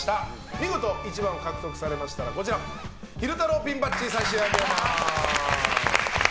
見事１番を獲得されましたら昼太郎ピンバッジを差し上げます。